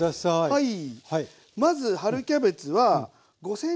はい。